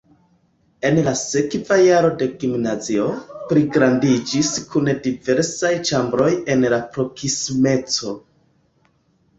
En la sekva jaro la gimnazio pligrandiĝis kun diversaj ĉambroj en la proksimeco.